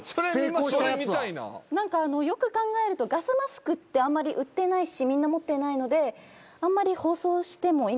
よく考えるとガスマスクってあんまり売ってないしみんな持ってないのであんまり。